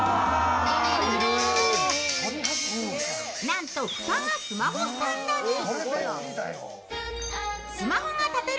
なんと蓋がスマホスタンドに。